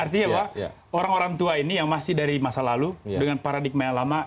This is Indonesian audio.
artinya bahwa orang orang tua ini yang masih dari masa lalu dengan paradigma yang lama